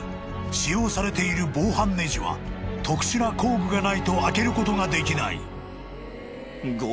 ［使用されている防犯ネジは特殊な工具がないと開けることができない］